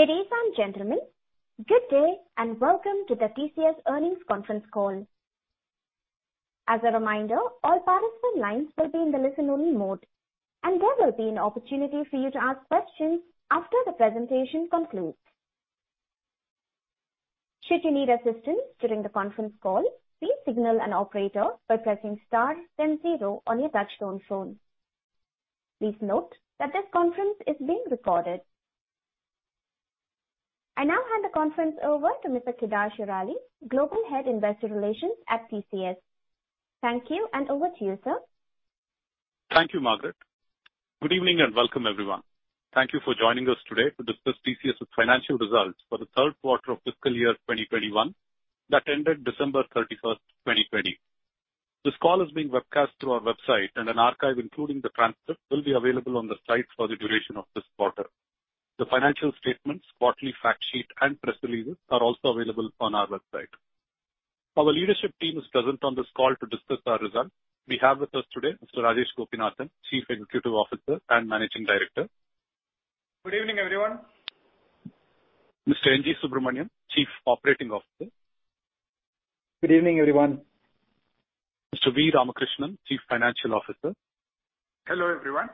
Ladies and gentlemen, good day, and welcome to the TCS earnings conference call. As a reminder, all participant lines will be in the listen-only mode, and there will be an opportunity for you to ask questions after the presentation concludes. Should you need assistance during the conference call, please signal an operator by pressing star then zero on your touchtone phone. Please note that this conference is being recorded. I now hand the conference over to Mr. Kedar Shirali, Global Head, Investor Relations at TCS. Thank you, and over to you, sir. Thank you, Margaret. Good evening and welcome, everyone. Thank you for joining us today to discuss TCS's financial results for the third quarter of fiscal year 2021 that ended December 31st, 2020. This call is being webcast through our website, and an archive, including the transcript, will be available on the site for the duration of this quarter. The financial statements, quarterly fact sheet, and press releases are also available on our website. Our leadership team is present on this call to discuss our results. We have with us today Mr. Rajesh Gopinathan, Chief Executive Officer and Managing Director. Good evening, everyone. Mr. N. G. Subramaniam, Chief Operating Officer. Good evening, everyone. Mr. V Ramakrishnan, Chief Financial Officer. Hello, everyone.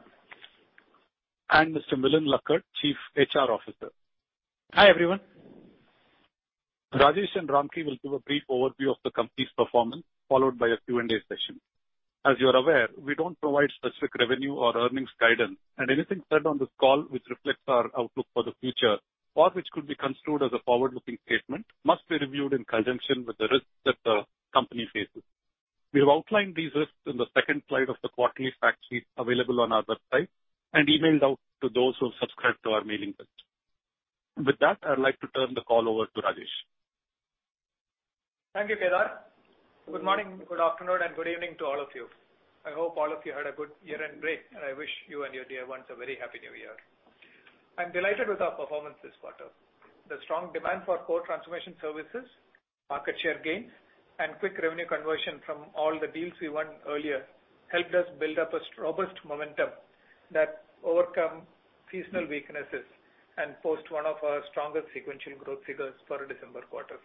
Mr. Milind Lakkad, Chief HR Officer. Hi, everyone. Rajesh and Ramki will give a brief overview of the company's performance, followed by a Q&A session. As you're aware, we don't provide specific revenue or earnings guidance, and anything said on this call which reflects our outlook for the future, or which could be construed as a forward-looking statement, must be reviewed in conjunction with the risks that the company faces. We have outlined these risks in the second slide of the quarterly fact sheet available on our website and emailed out to those who have subscribed to our mailing list. With that, I'd like to turn the call over to Rajesh. Thank you, Kedar. Good morning, good afternoon, and good evening to all of you. I hope all of you had a good year-end break, and I wish you and your dear ones a very happy new year. I'm delighted with our performance this quarter. The strong demand for core transformation services, market share gains, and quick revenue conversion from all the deals we won earlier helped us build up a robust momentum that overcome seasonal weaknesses and post one of our strongest sequential growth figures for a December quarter.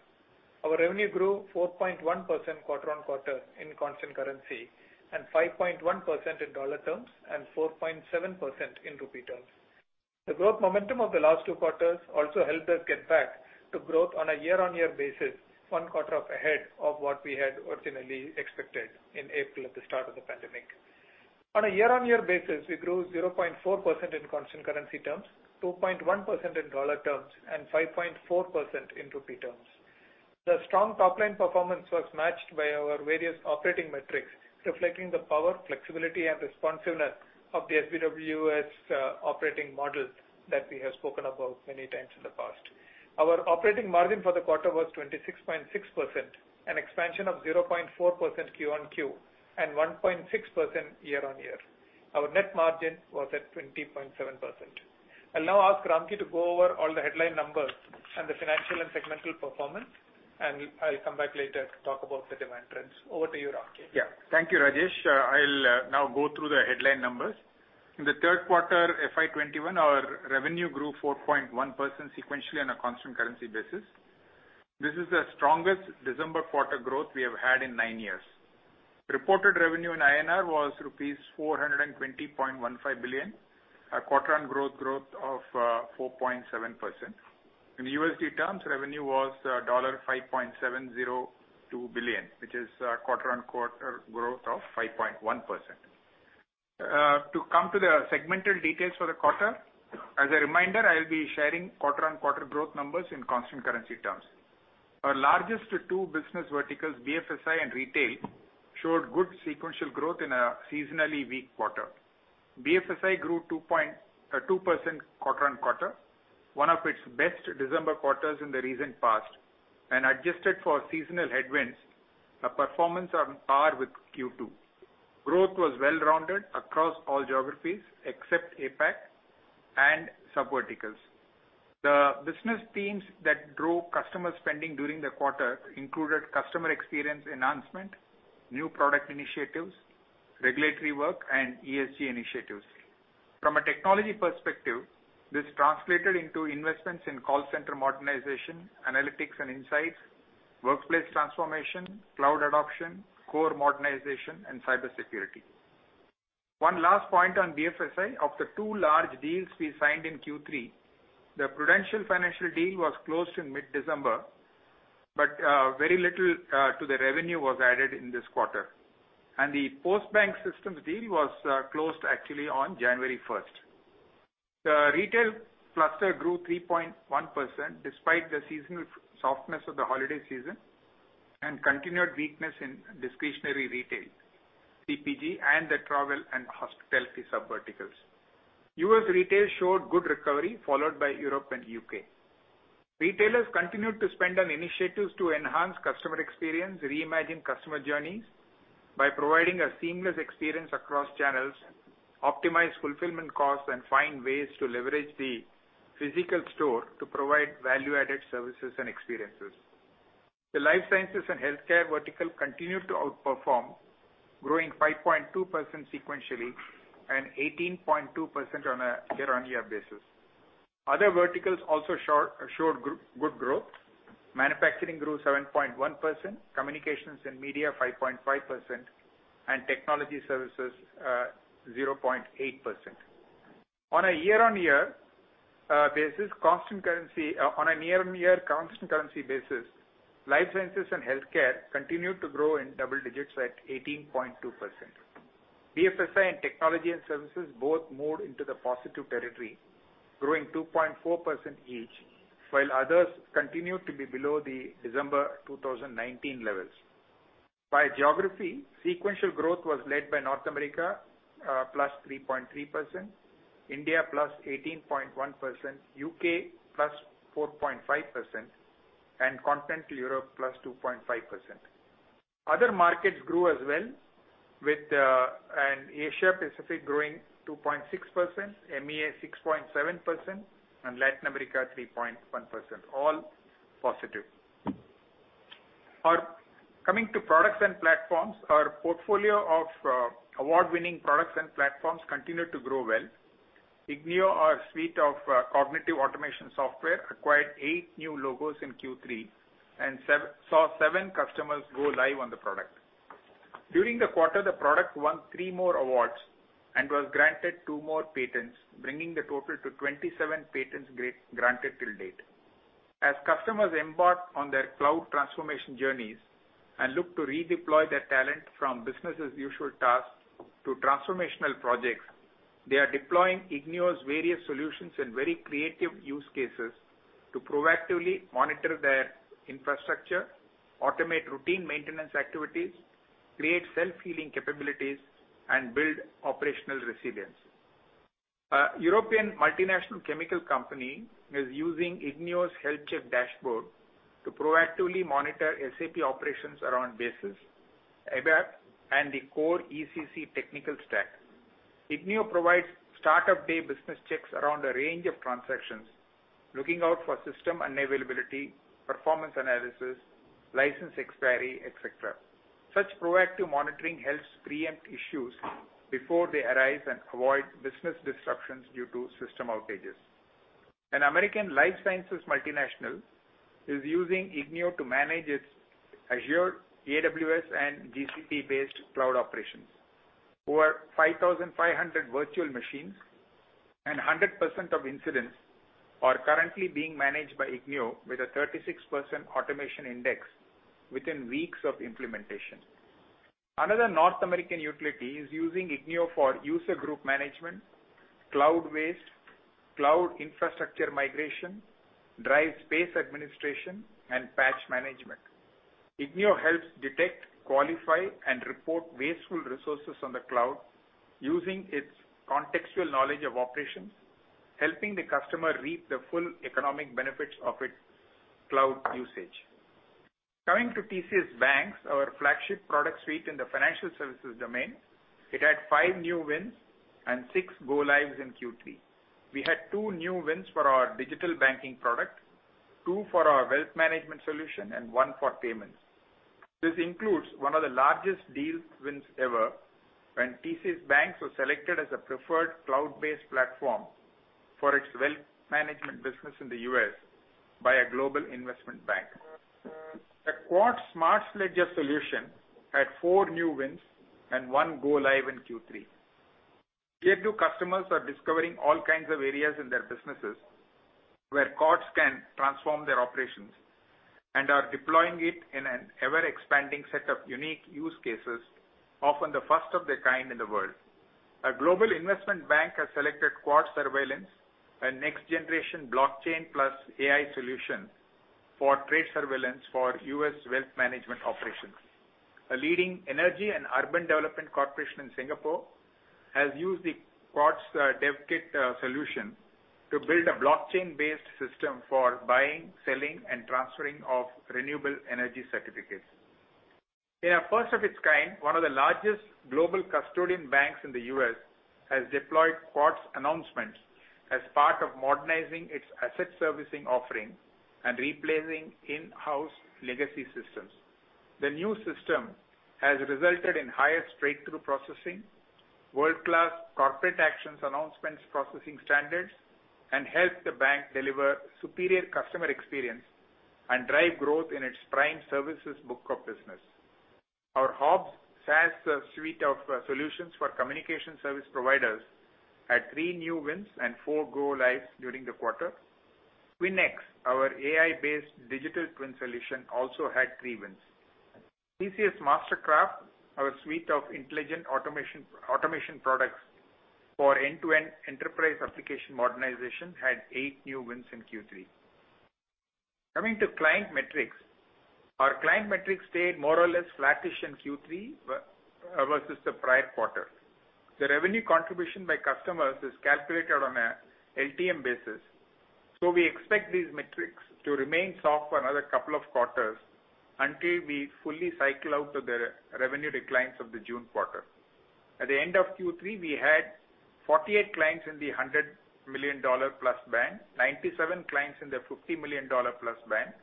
Our revenue grew 4.1% quarter-on-quarter in constant currency, and 5.1% in USD terms, and 4.7% in INR terms. The growth momentum of the last two quarters also helped us get back to growth on a year-on-year basis, one quarter up ahead of what we had originally expected in April at the start of the pandemic. On a year-on-year basis, we grew 0.4% in constant currency terms, 2.1% in USD terms, and 5.4% in INR terms. The strong top-line performance was matched by our various operating metrics, reflecting the power, flexibility, and responsiveness of the SBWS operating model that we have spoken about many times in the past. Our operating margin for the quarter was 26.6%, an expansion of 0.4% quarter-on-quarter, and 1.6% year-on-year. Our net margin was at 20.7%. I'll now ask Ramki to go over all the headline numbers and the financial and segmental performance, and I'll come back later to talk about the demand trends. Over to you, Ramki. Yeah. Thank you, Rajesh. I'll now go through the headline numbers. In the third quarter FY 2021, our revenue grew 4.1% sequentially on a constant currency basis. This is the strongest December quarter growth we have had in nine years. Reported revenue in INR was rupees 420.15 billion, a quarter-on-quarter growth of 4.7%. In USD terms, revenue was $5.702 billion, which is quarter-on-quarter growth of 5.1%. To come to the segmental details for the quarter, as a reminder, I'll be sharing quarter-on-quarter growth numbers in constant currency terms. Our largest two business verticals, BFSI and retail, showed good sequential growth in a seasonally weak quarter. BFSI grew 2% quarter-on-quarter, one of its best December quarters in the recent past. Adjusted for seasonal headwinds, a performance on par with Q2. Growth was well-rounded across all geographies, except APAC and subverticals. The business themes that drove customer spending during the quarter included customer experience enhancement, new product initiatives, regulatory work, and ESG initiatives. From a technology perspective, this translated into investments in call center modernization, analytics and insights, workplace transformation, cloud adoption, core modernization, and cybersecurity. One last point on BFSI, of the two large deals we signed in Q3, the Prudential Financial deal was closed in mid-December, but very little to the revenue was added in this quarter. The Postbank Systems deal was closed actually on January 1st. The retail cluster grew 3.1% despite the seasonal softness of the holiday season and continued weakness in discretionary retail, CPG, and the travel and hospitality subverticals. U.S. retail showed good recovery, followed by Europe and U.K. Retailers continued to spend on initiatives to enhance customer experience, reimagine customer journeys by providing a seamless experience across channels, optimize fulfillment costs, and find ways to leverage the physical store to provide value-added services and experiences. The life sciences and healthcare vertical continued to outperform, growing 5.2% sequentially and 18.2% on a year-on-year basis. Other verticals also showed good growth. Manufacturing grew 7.1%, communications and media 5.5%, and technology services 0.8%. On a year-on-year constant currency basis, life sciences and healthcare continued to grow in double digits at 18.2%. BFSI and technology and services both moved into the positive territory, growing 2.4% each, while others continued to be below the December 2019 levels. By geography, sequential growth was led by North America, +3.3%, India +18.1%, U.K. +4.5%, and Continental Europe +2.5%. Other markets grew as well, with Asia Pacific growing 2.6%, MEA 6.7%, and Latin America 3.1%, all positive. Coming to products and platforms, our portfolio of award-winning products and platforms continued to grow well. Ignio, our suite of cognitive automation software acquired eight new logos in Q3 and saw seven customers go live on the product. During the quarter, the product won three more awards and was granted two more patents, bringing the total to 27 patents granted to date. As customers embark on their cloud transformation journeys and look to redeploy their talent from business as usual tasks to transformational projects, they are deploying ignio's various solutions in very creative use cases to proactively monitor their infrastructure, automate routine maintenance activities, create self-healing capabilities, and build operational resilience. A European multinational chemical company is using ignio's health check dashboard to proactively monitor SAP operations around Basis, ABAP, and the core ECC technical stack. Ignio provides start-of-day business checks around a range of transactions, looking out for system unavailability, performance analysis, license expiry, et cetera. Such proactive monitoring helps preempt issues before they arise and avoid business disruptions due to system outages. An American life sciences multinational is using ignio to manage its Azure, AWS, and GCP-based cloud operations. Over 5,500 virtual machines and 100% of incidents are currently being managed by ignio with a 36% automation index within weeks of implementation. Another North American utility is using ignio for user group management, cloud waste, cloud infrastructure migration, drive space administration, and patch management. Ignio helps detect, qualify, and report wasteful resources on the cloud using its contextual knowledge of operations, helping the customer reap the full economic benefits of its cloud usage. Coming to TCS BaNCS, our flagship product suite in the financial services domain, it had five new wins and six go-lives in Q3. We had two new wins for our digital banking product, two for our wealth management solution, and one for payments. This includes one of the largest deals wins ever when TCS BaNCS was selected as a preferred cloud-based platform for its wealth management business in the U.S. by a global investment bank. The Quartz smart ledger solution had four new wins and one go-live in Q3. Tier 2 customers are discovering all kinds of areas in their businesses where Quartz can transform their operations and are deploying it in an ever-expanding set of unique use cases, often the first of their kind in the world. A global investment bank has selected Quartz Surveillance, a next-generation blockchain plus AI solution for trade surveillance for U.S. wealth management operations. A leading energy and urban development corporation in Singapore has used the Quartz DevKit solution to build a blockchain-based system for buying, selling, and transferring of renewable energy certificates. In a first of its kind, one of the largest global custodian banks in the U.S. has deployed Quartz Announcements as part of modernizing its asset servicing offering and replacing in-house legacy systems. The new system has resulted in higher straight-through processing, world-class corporate actions announcements processing standards, and helped the bank deliver superior customer experience and drive growth in its prime services book of business. Our TCS HOBS SaaS suite of solutions for communication service providers had three new wins and four go-lives during the quarter. WinX, our AI-based digital twin solution, also had three wins. TCS MasterCraft, our suite of intelligent automation products for end-to-end enterprise application modernization, had eight new wins in Q3. Coming to client metrics. Our client metrics stayed more or less flattish in Q3 versus the prior quarter. The revenue contribution by customers is calculated on a LTM basis. We expect these metrics to remain soft for another couple of quarters until we fully cycle out the revenue declines of the June quarter. At the end of Q3, we had 48 clients in the $100 million+ band, 97 clients in the $50 million+ band,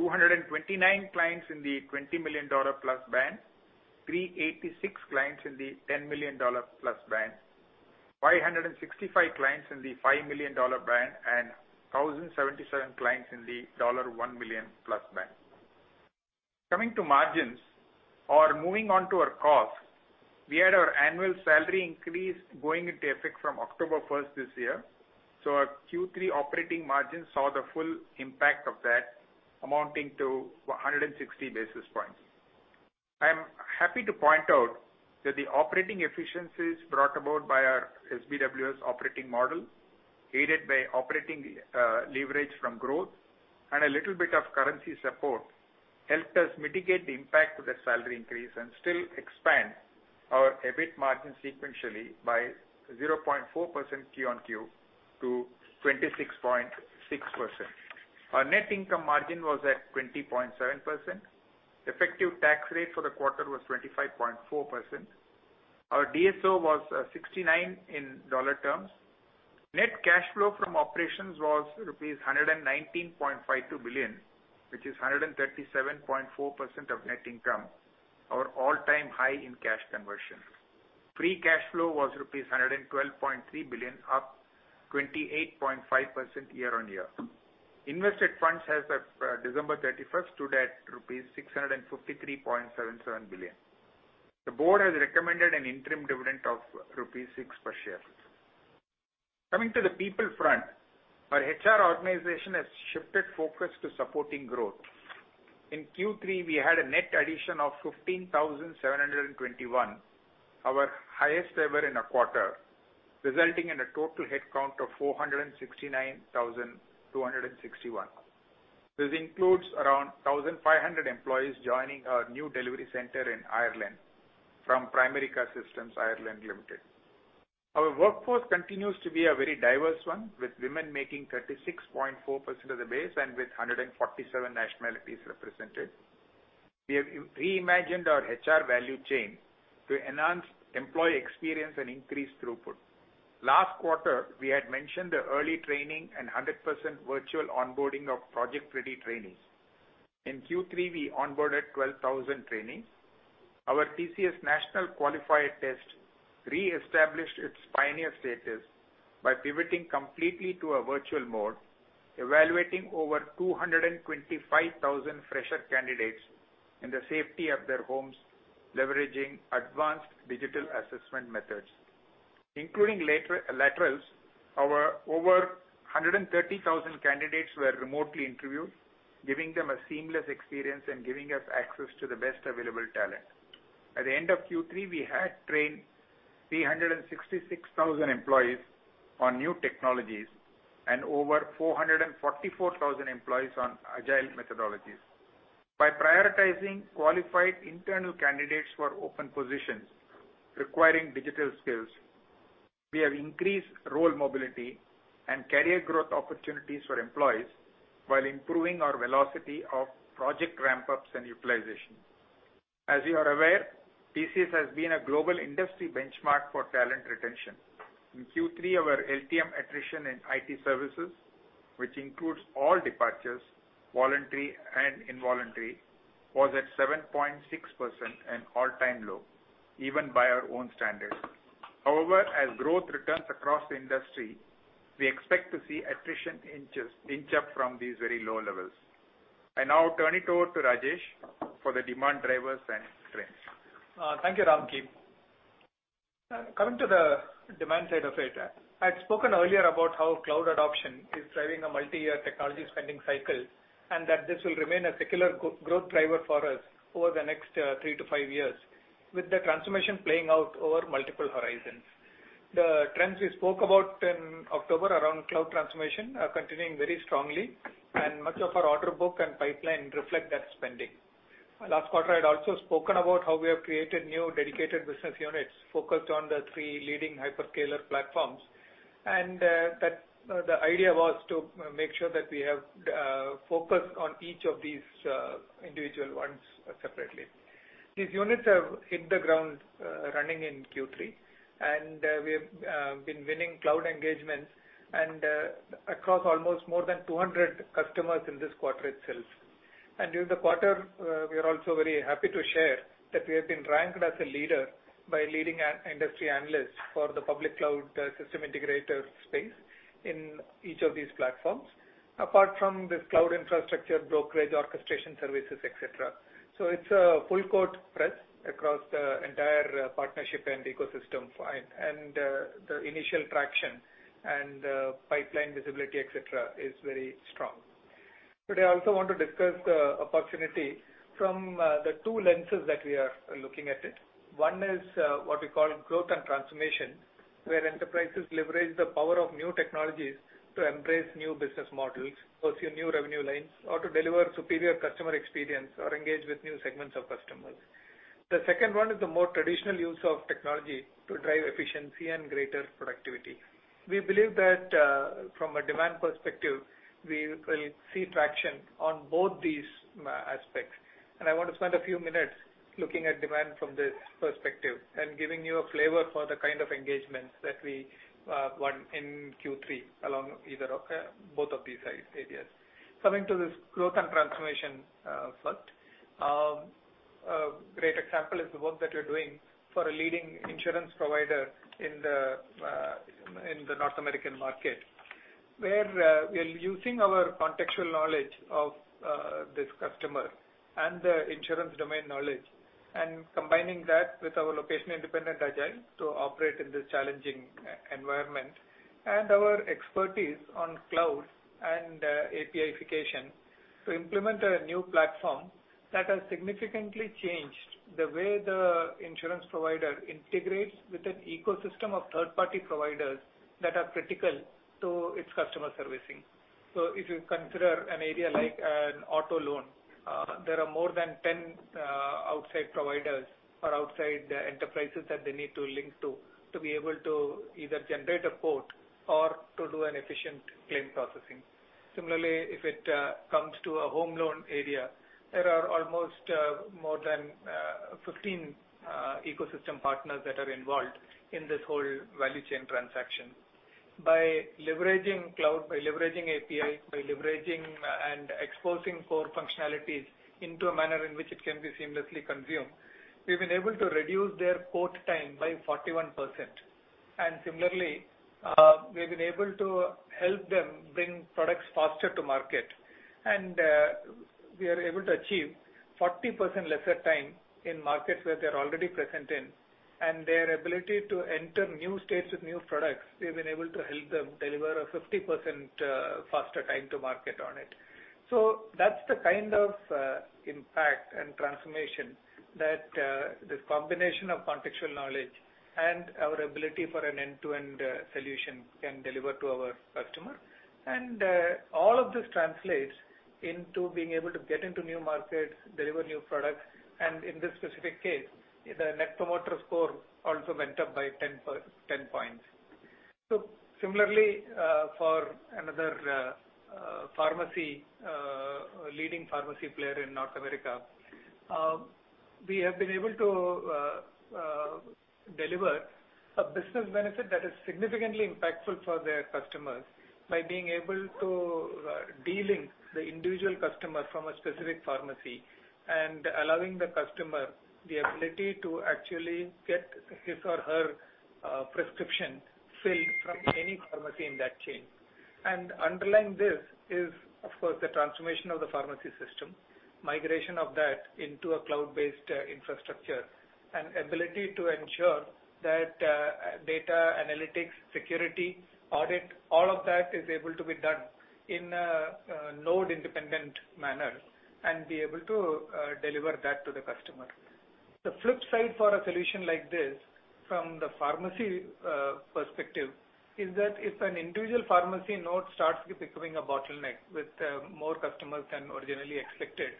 229 clients in the $20 million+ band, 386 clients in the $10 million+ band, 565 clients in the $5 million band, and 1,077 clients in the $1 million+ band. Coming to margins or moving on to our cost, we had our annual salary increase going into effect from October 1st this year. Our Q3 operating margin saw the full impact of that amounting to 160 basis points. I am happy to point out that the operating efficiencies brought about by our SBWS operating model, aided by operating leverage from growth and a little bit of currency support, helped us mitigate the impact of the salary increase and still expand our EBIT margin sequentially by 0.4% quarter-on-quarter to 26.6%. Our net income margin was at 20.7%. Effective tax rate for the quarter was 25.4%. Our DSO was 69 in USD terms. Net cash flow from operations was rupees 119.52 billion, which is 137.4% of net income, our all-time high in cash conversion. Free cash flow was rupees 112.3 billion, up 28.5% year-on-year. Invested funds as of December 31st stood at rupees 653.77 billion. The board has recommended an interim dividend of rupees 6 per share. Coming to the people front, our HR organization has shifted focus to supporting growth. In Q3, we had a net addition of 15,721, our highest ever in a quarter, resulting in a total headcount of 469,261. This includes around 1,500 employees joining our new delivery center in Ireland from Pramerica Systems Ireland Limited. Our workforce continues to be a very diverse one, with women making 36.4% of the base and with 147 nationalities represented. We have reimagined our HR value chain to enhance employee experience and increase throughput. Last quarter, we had mentioned the early training and 100% virtual onboarding of project-ready trainees. In Q3, we onboarded 12,000 trainees. Our TCS National Qualifier Test re-established its pioneer status by pivoting completely to a virtual mode, evaluating over 225,000 fresher candidates in the safety of their homes, leveraging advanced digital assessment methods. Including laterals, over 130,000 candidates were remotely interviewed, giving them a seamless experience and giving us access to the best available talent. At the end of Q3, we had trained 366,000 employees on new technologies and over 444,000 employees on agile methodologies. By prioritizing qualified internal candidates for open positions requiring digital skills, we have increased role mobility and career growth opportunities for employees while improving our velocity of project ramp-ups and utilization. As you are aware, TCS has been a global industry benchmark for talent retention. In Q3, our LTM attrition in IT services, which includes all departures, voluntary and involuntary, was at 7.6%, an all-time low, even by our own standards. As growth returns across the industry, we expect to see attrition inch up from these very low levels. I now turn it over to Rajesh for the demand drivers and trends. Thank you, Ramki. Coming to the demand side of it, I had spoken earlier about how cloud adoption is driving a multi-year technology spending cycle, and that this will remain a secular growth driver for us over the next three to five years, with the transformation playing out over multiple horizons. The trends we spoke about in October around cloud transformation are continuing very strongly, and much of our order book and pipeline reflect that spending. Last quarter, I'd also spoken about how we have created new dedicated business units focused on the three leading hyperscaler platforms, and the idea was to make sure that we have focus on each of these individual ones separately. These units have hit the ground running in Q3, and we have been winning cloud engagements and across almost more than 200 customers in this quarter itself. During the quarter, we are also very happy to share that we have been ranked as a leader by leading industry analysts for the public cloud system integrator space in each of these platforms, apart from this cloud infrastructure, brokerage, orchestration services, et cetera. It's a full-court press across the entire partnership and ecosystem front, and the initial traction and pipeline visibility, et cetera, is very strong. Today, I also want to discuss the opportunity from the two lenses that we are looking at it. One is what we call growth and transformation, where enterprises leverage the power of new technologies to embrace new business models, pursue new revenue lines, or to deliver superior customer experience or engage with new segments of customers. The second one is the more traditional use of technology to drive efficiency and greater productivity. We believe that from a demand perspective, we will see traction on both these aspects. I want to spend a few minutes looking at demand from this perspective and giving you a flavor for the kind of engagements that we won in Q3 along both of these areas. Coming to this growth and transformation front, a great example is the work that we're doing for a leading insurance provider in the North American market, where we're using our contextual knowledge of this customer and the insurance domain knowledge and combining that with our location-independent agile to operate in this challenging environment, and our expertise on cloud and API-fication to implement a new platform that has significantly changed the way the insurance provider integrates with an ecosystem of third-party providers that are critical to its customer servicing. If you consider an area like an auto loan, there are more than 10 outside providers or outside enterprises that they need to link to be able to either generate a quote or to do an efficient claim processing. If it comes to a home loan area, there are almost more than 15 ecosystem partners that are involved in this whole value chain transaction. By leveraging cloud, by leveraging API, by leveraging and exposing core functionalities into a manner in which it can be seamlessly consumed, we've been able to reduce their quote time by 41%. Similarly, we've been able to help them bring products faster to market. We are able to achieve 40% lesser time in markets where they're already present in, and their ability to enter new states with new products, we've been able to help them deliver a 50% faster time to market on it. That's the kind of impact and transformation that this combination of contextual knowledge and our ability for an end-to-end solution can deliver to our customer. All of this translates into being able to get into new markets, deliver new products, and in this specific case, the net promoter score also went up by 10 points. Similarly, for another leading pharmacy player in North America. We have been able to deliver a business benefit that is significantly impactful for their customers by being able to de-link the individual customer from a specific pharmacy and allowing the customer the ability to actually get his or her prescription filled from any pharmacy in that chain. Underlying this is, of course, the transformation of the pharmacy system, migration of that into a cloud-based infrastructure, and ability to ensure that data analytics, security, audit, all of that is able to be done in a node-independent manner and be able to deliver that to the customer. The flip side for a solution like this from the pharmacy perspective is that if an individual pharmacy node starts becoming a bottleneck with more customers than originally expected,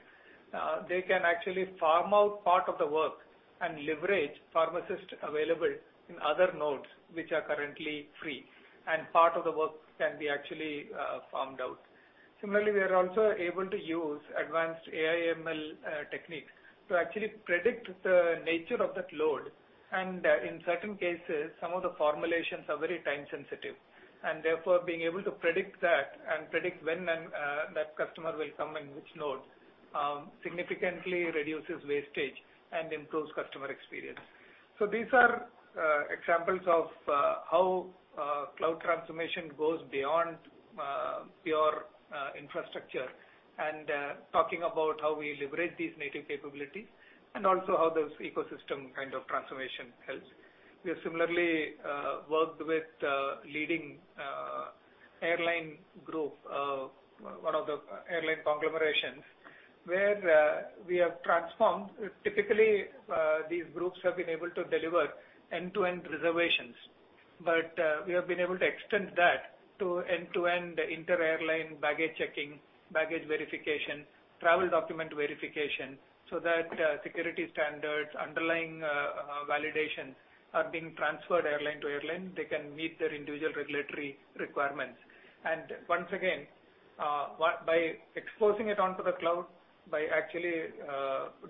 they can actually farm out part of the work and leverage pharmacists available in other nodes which are currently free, and part of the work can be actually farmed out. Similarly, we are also able to use advanced AI ML techniques to actually predict the nature of that load. In certain cases, some of the formulations are very time-sensitive, and therefore being able to predict that and predict when that customer will come in which node, significantly reduces wastage and improves customer experience. These are examples of how cloud transformation goes beyond pure infrastructure and talking about how we leverage these native capabilities and also how those ecosystem kind of transformation helps. We have similarly worked with a leading airline group, one of the airline conglomerations, where we have transformed. Typically, these groups have been able to deliver end-to-end reservations, but we have been able to extend that to end-to-end inter-airline baggage checking, baggage verification, travel document verification, so that security standards, underlying validation are being transferred airline to airline. They can meet their individual regulatory requirements. Once again, by exposing it onto the cloud, by actually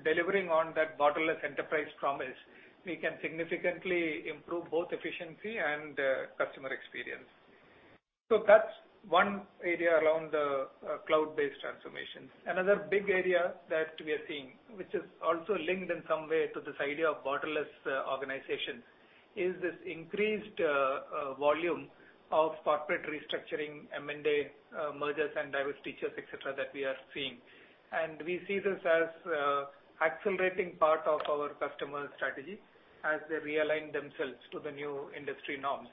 delivering on that borderless enterprise promise, we can significantly improve both efficiency and customer experience. That's one area around cloud-based transformations. Another big area that we are seeing, which is also linked in some way to this idea of borderless organizations, is this increased volume of corporate restructuring, M&A, mergers and divestitures, et cetera, that we are seeing. We see this as accelerating part of our customer strategy as they realign themselves to the new industry norms.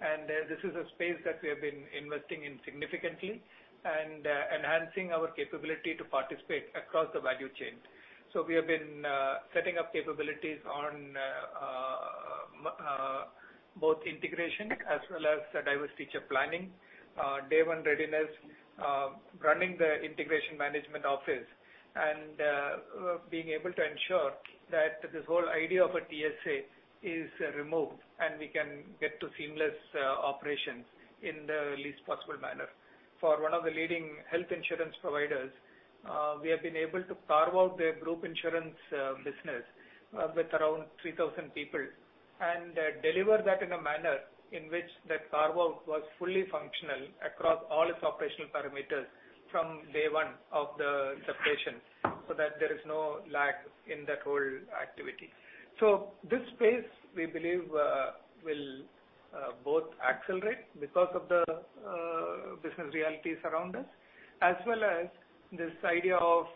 This is a space that we have been investing in significantly and enhancing our capability to participate across the value chain. We have been setting up capabilities on both integration as well as divestiture planning, day one readiness, running the integration management office. Being able to ensure that this whole idea of a TSA is removed, and we can get to seamless operations in the least possible manner. For one of the leading health insurance providers, we have been able to carve out their group insurance business with around 3,000 people and deliver that in a manner in which that carve out was fully functional across all its operational parameters from day one of the separation, so that there is no lag in that whole activity. This space, we believe, will both accelerate because of the business realities around us, as well as this idea of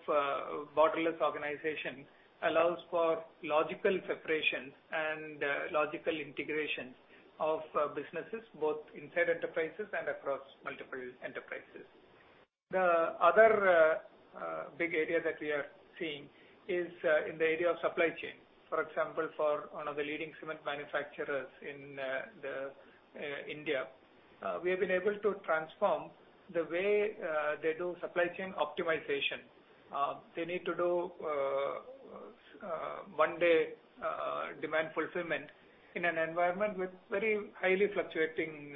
borderless organization allows for logical separation and logical integration of businesses, both inside enterprises and across multiple enterprises. The other big area that we are seeing is in the area of supply chain. For example, for one of the leading cement manufacturers in India, we have been able to transform the way they do supply chain optimization. They need to do one-day demand fulfillment in an environment with very highly fluctuating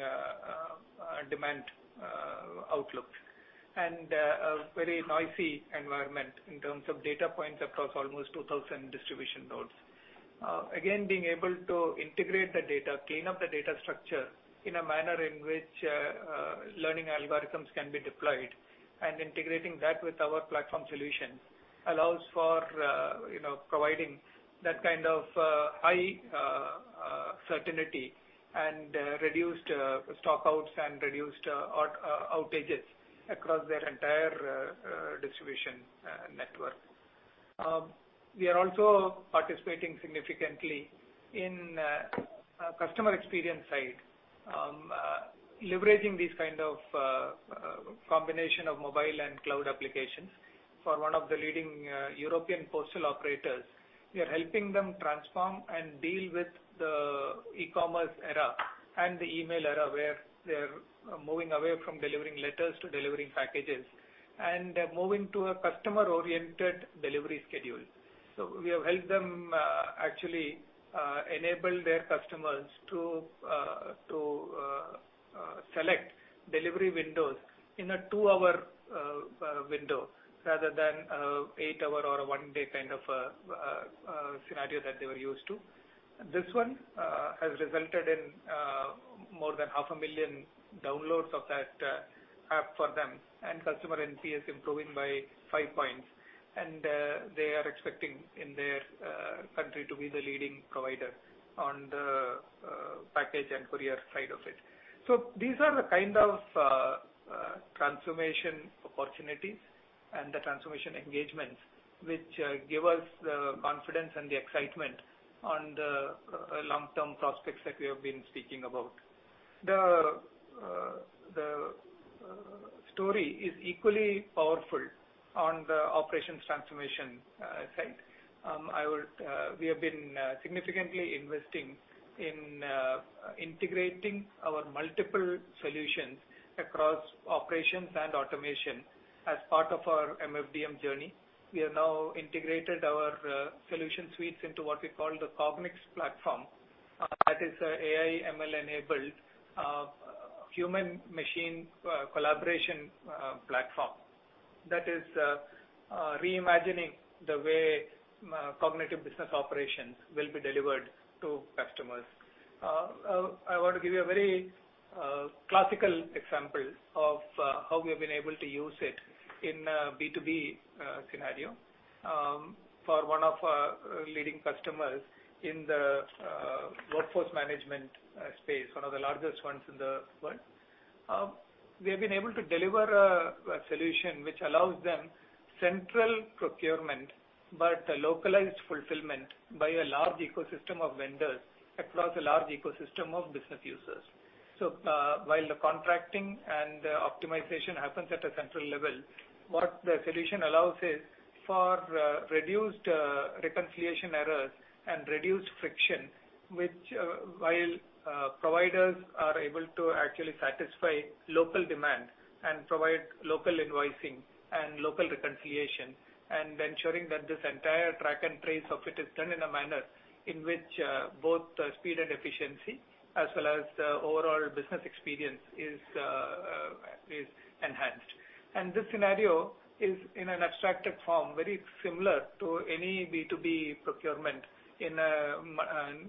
demand outlooks and a very noisy environment in terms of data points across almost 2,000 distribution nodes. Again, being able to integrate the data, clean up the data structure in a manner in which learning algorithms can be deployed, and integrating that with our platform solution allows for providing that kind of high certainty and reduced stock-outs and reduced outages across their entire distribution network. We are also participating significantly in customer experience side. Leveraging these kind of combination of mobile and cloud applications for one of the leading European postal operators. We are helping them transform and deal with the e-commerce era and the email era, where they're moving away from delivering letters to delivering packages and moving to a customer-oriented delivery schedule. We have helped them actually enable their customers to select delivery windows in a two-hour window rather than eight-hour or a one-day kind of a scenario that they were used to. This one has resulted in more than half a million downloads of that app for them and customer NPS improving by five points. They are expecting in their country to be the leading provider on the package and courier side of it. These are the kind of transformation opportunities and the transformation engagements which give us the confidence and the excitement on the long-term prospects that we have been speaking about. The story is equally powerful on the operations transformation side. We have been significantly investing in integrating our multiple solutions across operations and automation as part of our MFDM journey. We have now integrated our solution suites into what we call the Cognix platform. That is an AI, ML-enabled human-machine collaboration platform that is reimagining the way cognitive business operations will be delivered to customers. I want to give you a very classical example of how we have been able to use it in a B2B scenario for one of our leading customers in the workforce management space, one of the largest ones in the world. We have been able to deliver a solution which allows them central procurement, but a localized fulfillment by a large ecosystem of vendors across a large ecosystem of business users. While the contracting and optimization happens at a central level, what the solution allows is for reduced reconciliation errors and reduced friction, which while providers are able to actually satisfy local demand and provide local invoicing and local reconciliation and ensuring that this entire track and trace of it is done in a manner in which both speed and efficiency as well as overall business experience is enhanced. This scenario is in an abstracted form, very similar to any B2B procurement in a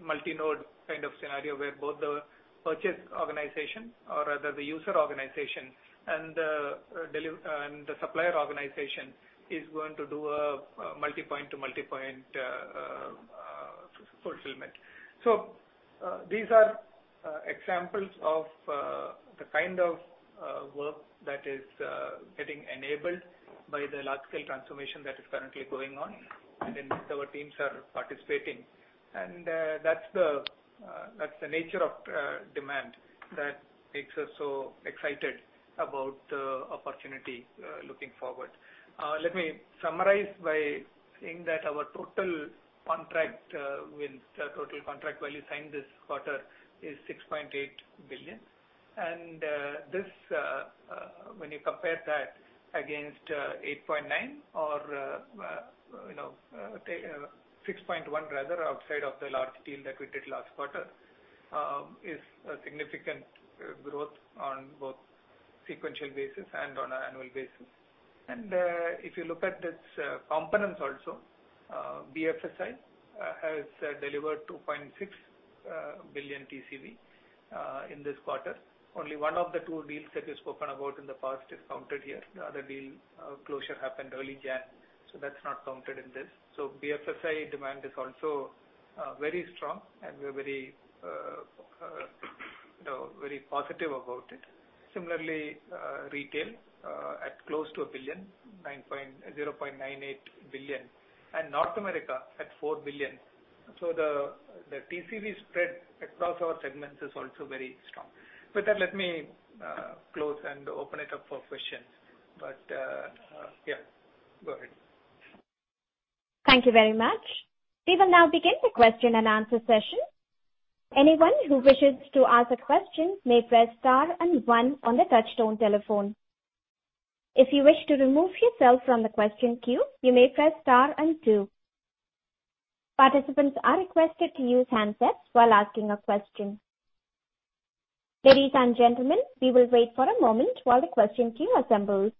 multi-node kind of scenario where both the purchase organization or rather the user organization and the supplier organization is going to do a multi-point to multi-point fulfillment. These are examples of the kind of work that is getting enabled by the logical transformation that is currently going on and in which our teams are participating. That's the nature of demand that makes us so excited about the opportunity looking forward. Let me summarize by saying that our total contract value signed this quarter is 6.8 billion. When you compare that against 8.9 or 6.1 rather, outside of the large deal that we did last quarter, is a significant growth on both sequential basis and on an annual basis. If you look at its components also, BFSI has delivered $2.6 billion TCV in this quarter. Only one of the two deals that is spoken about in the past is counted here. The other deal closure happened early January, that's not counted in this. BFSI demand is also very strong and we're very positive about it. Similarly, retail at close to a billion, $0.98 billion, and North America at $4 billion. The TCV spread across our segments is also very strong. With that, let me close and open it up for questions. Yeah, go ahead. Thank you very much. We will now begin the question and answer session. Anyone who wishes to ask a question may press star and one on the touchtone telephone. If you wish to remove yourself from the question queue, you may press star and two. Participants are requested to use handsets while asking a question. Ladies and gentlemen, we will wait for a moment while the question queue assembles.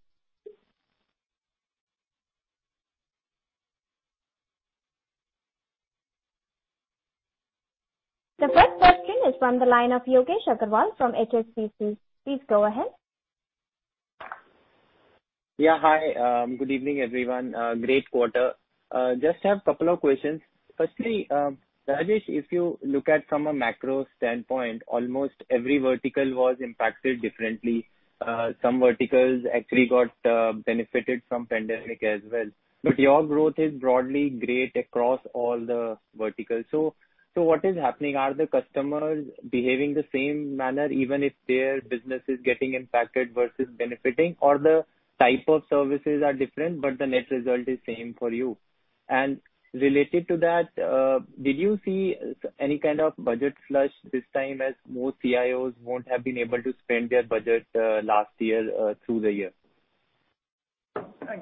The first question is from the line of Yogesh Aggarwal from HSBC. Please go ahead. Yeah. Hi. Good evening, everyone. Great quarter. Just have couple of questions. Firstly, Rajesh, if you look at from a macro standpoint, almost every vertical was impacted differently. Some verticals actually got benefited from pandemic as well. Your growth is broadly great across all the verticals. What is happening? Are the customers behaving the same manner even if their business is getting impacted versus benefiting? The type of services are different, but the net result is same for you? Related to that, did you see any kind of budget flush this time as most CIOs won't have been able to spend their budget last year through the year?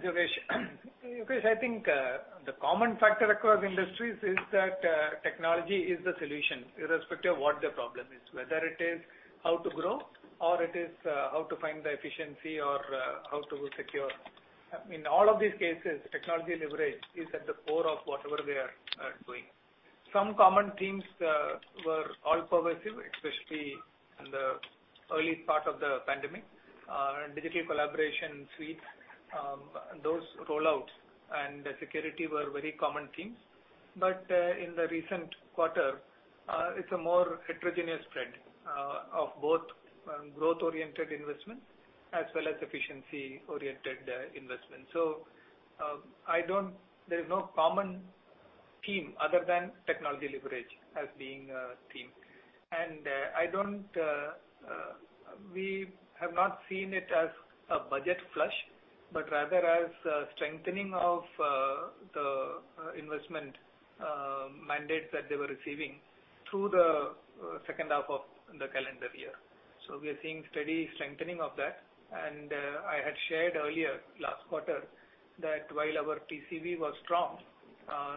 Thanks, Yogesh. Yogesh, I think the common factor across industries is that technology is the solution irrespective of what the problem is. Whether it is how to grow or it is how to find the efficiency or how to secure. In all of these cases, technology leverage is at the core of whatever they are doing. Some common themes were all pervasive, especially in the early part of the pandemic. Digital collaboration suites, those rollouts and security were very common themes. In the recent quarter, it's a more heterogeneous spread of both growth-oriented investments as well as efficiency-oriented investments. There is no common theme other than technology leverage as being a theme. We have not seen it as a budget flush, but rather as strengthening of the investment mandate that they were receiving through the second half of the calendar year. We are seeing steady strengthening of that. I had shared earlier, last quarter, that while our TCV was strong,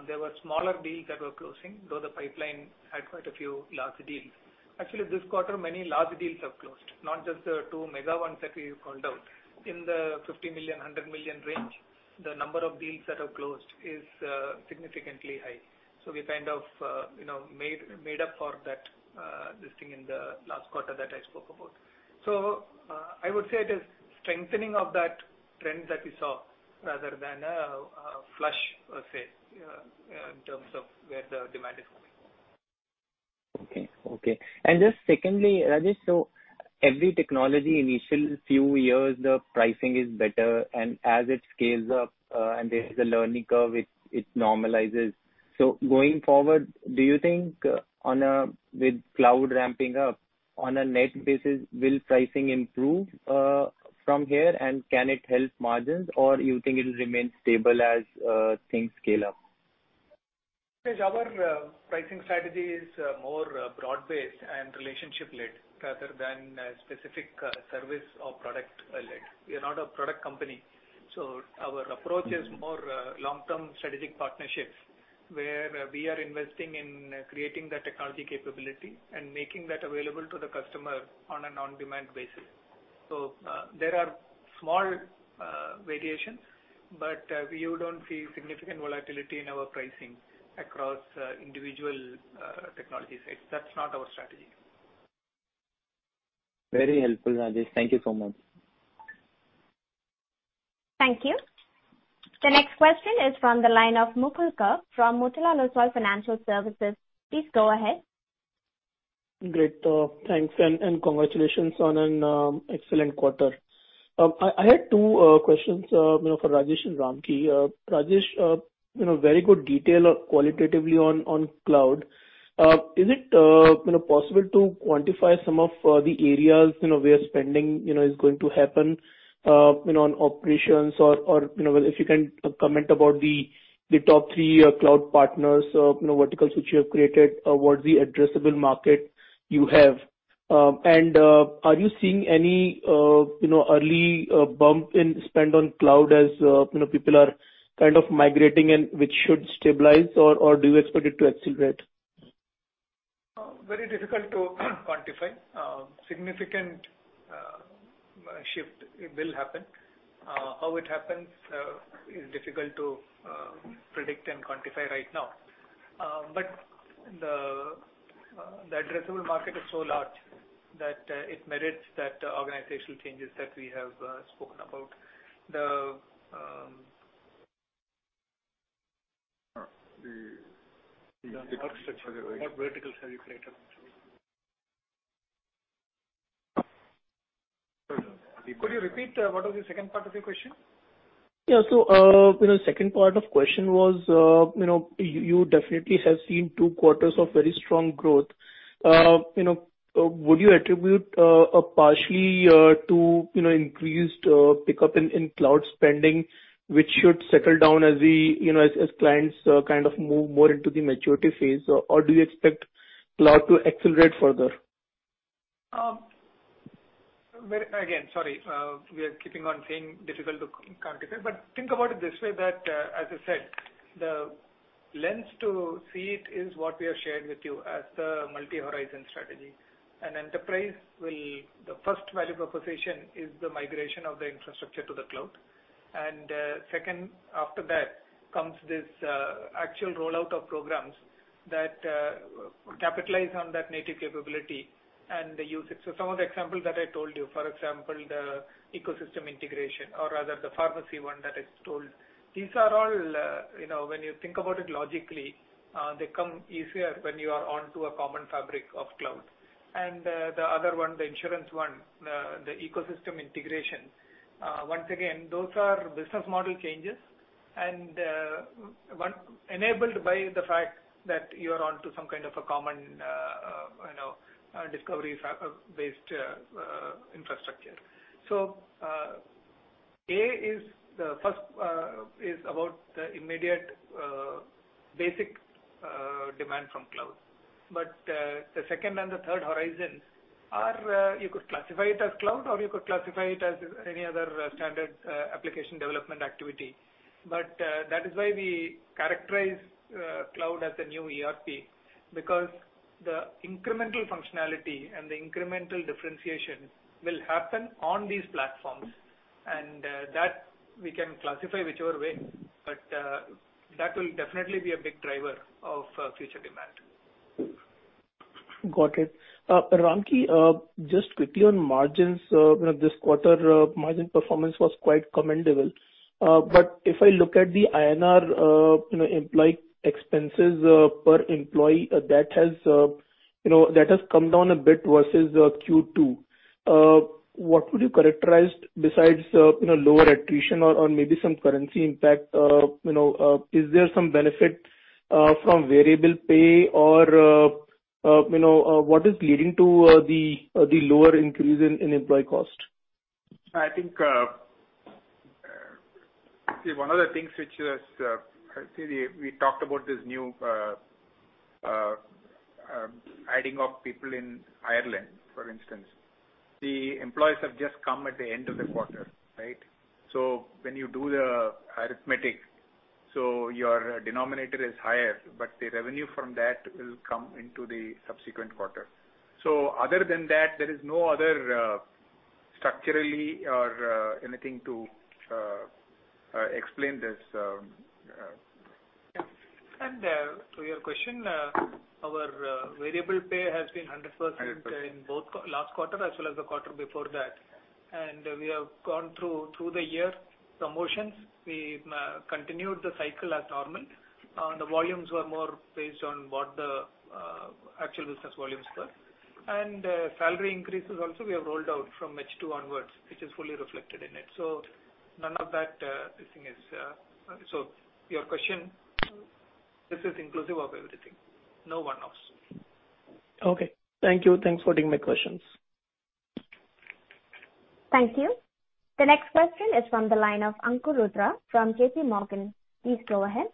there were smaller deals that were closing, though the pipeline had quite a few large deals. Actually, this quarter, many large deals have closed, not just the two mega ones that we called out. In the $50 million-$100 million range, the number of deals that have closed is significantly high. We kind of made up for that, this thing in the last quarter that I spoke about. I would say it is strengthening of that trend that we saw rather than a flush per se in terms of where the demand is going. Okay. Just secondly, Rajesh, every technology initial few years the pricing is better and as it scales up and there is a learning curve it normalizes. Going forward, do you think with cloud ramping up, on a net basis will pricing improve from here and can it help margins? You think it'll remain stable as things scale up? Yogesh, our pricing strategy is more broad-based and relationship-led rather than a specific service or product led. We are not a product company, our approach is more long-term strategic partnerships where we are investing in creating the technology capability and making that available to the customer on an on-demand basis. There are small variations, but you don't see significant volatility in our pricing across individual technology sets. That's not our strategy. Very helpful, Rajesh. Thank you so much. Thank you. The next question is from the line of Mukul Garg from Motilal Oswal Financial Services. Please go ahead. Great. Thanks. Congratulations on an excellent quarter. I had two questions for Rajesh and Ramki. Rajesh, very good detail qualitatively on cloud. Is it possible to quantify some of the areas where spending is going to happen on operations or if you can comment about the top three cloud partners verticals which you have created? What's the addressable market you have? Are you seeing any early bump in spend on cloud as people are kind of migrating and which should stabilize, or do you expect it to accelerate? Very difficult to quantify. Significant shift will happen. How it happens is difficult to predict and quantify right now. The addressable market is so large that it merits that organizational changes that we have spoken about. The- The arc structure. What verticals have you created? Could you repeat what was the second part of your question? Yeah. The second part of question was you definitely have seen two quarters of very strong growth. Would you attribute partially to increased pickup in cloud spending, which should settle down as clients kind of move more into the maturity phase, or do you expect cloud to accelerate further? Sorry. We are keeping on saying difficult to quantify. Think about it this way, that as I said, the lens to see it is what we have shared with you as the multi-horizon strategy. The first value proposition is the migration of the infrastructure to the cloud. Second, after that, comes this actual rollout of programs that capitalize on that native capability and use it. Some of the examples that I told you, for example, the ecosystem integration or rather the pharmacy one that I told. These are all, when you think about it logically, they come easier when you are onto a common fabric of cloud. The other one, the insurance one, the ecosystem integration. Once again, those are business model changes and enabled by the fact that you are onto some kind of a common discovery-based infrastructure. A is the first, is about the immediate basic demand from cloud. The second and the third horizons are, you could classify it as cloud or you could classify it as any other standard application development activity. That is why we characterize cloud as the new ERP, because the incremental functionality and the incremental differentiation will happen on these platforms. That we can classify whichever way, but that will definitely be a big driver of future demand. Got it. Ramki, just quickly on margins. This quarter margin performance was quite commendable. If I look at the INR employee expenses per employee, that has come down a bit versus Q2. What would you characterize besides lower attrition or maybe some currency impact? Is there some benefit from variable pay or what is leading to the lower increase in employee cost? I think, see, one of the things which is, I see we talked about this new hiring of people in Ireland, for instance. The employees have just come at the end of the quarter, right? When you do the arithmetic, so your denominator is higher, but the revenue from that will come into the subsequent quarter. Other than that, there is no other structurally or anything to explain this. To your question, our variable pay has been 100% in both last quarter as well as the quarter before that. We have gone through the year promotions. We continued the cycle as normal. The volumes were more based on what the actual business volumes were. Salary increases also, we have rolled out from H2 onwards, which is fully reflected in it. To your question, this is inclusive of everything. No one-offs. Okay. Thank you. Thanks for taking my questions. Thank you. The next question is from the line of Ankur Rudra from J.P. Morgan. Please go ahead.